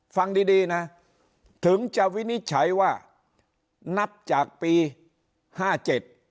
ฟังดีดีนะถึงจะวินิจฉัยว่านับจากปีห้าเจ็ด